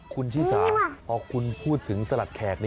คุณชิสาพอคุณพูดถึงสลัดแขก